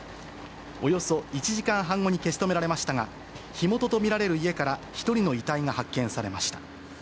およそ１時間半後に消し止められましたが、火元と見られる家から１人の遺体が発見されました。